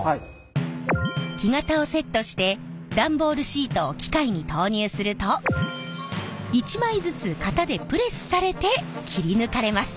木型をセットして段ボールシートを機械に投入すると一枚ずつ型でプレスされて切り抜かれます。